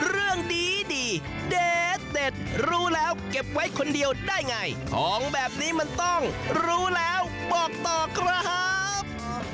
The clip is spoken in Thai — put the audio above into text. เรื่องดีเด็ดรู้แล้วเก็บไว้คนเดียวได้ไงของแบบนี้มันต้องรู้แล้วบอกต่อครับ